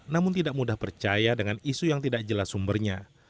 namun tidak mudah percaya dengan isu yang tidak jelas sumbernya